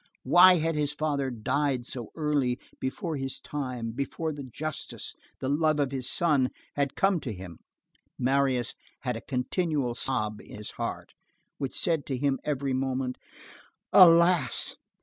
Why had his father died so early, before his time, before the justice, the love of his son had come to him? Marius had a continual sob in his heart, which said to him every moment: "Alas!"